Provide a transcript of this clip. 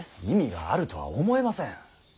意味があるとは思えません。